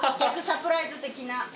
逆サプライズ的な。